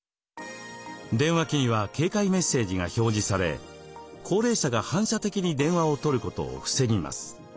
電話機には警戒メッセージが表示され高齢者が反射的に電話を取ることを防ぎます。